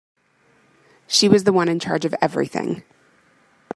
She was the one in charge of everything.